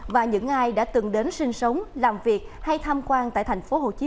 và những ai đã từng đến sinh sống làm việc hay tham quan